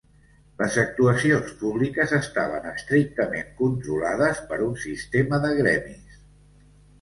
Les actuacions públiques estaven estrictament controlades per un sistema de gremis.